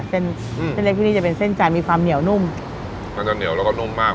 เส้นอืมเส้นเส้นเล็กที่นี่จะเป็นเส้นจันทร์มีความเหนียวนุ่มมันจะเหนียวแล้วก็นุ่มมาก